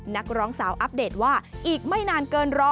นักร้องสาวอัปเดตว่าอีกไม่นานเกิน๑๐๐